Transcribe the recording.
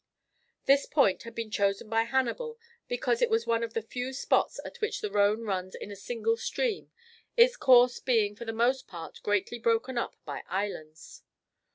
This point had been chosen by Hannibal because it was one of the few spots at which the Rhone runs in a single stream, its course being for the most part greatly broken up by islands.